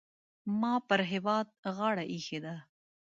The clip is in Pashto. ما پر هېواد غاړه اېښې ده.